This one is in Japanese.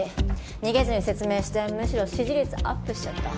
逃げずに説明してむしろ支持率アップしちゃった。